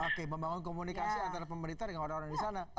oke membangun komunikasi antara pemerintah dengan orang orang di sana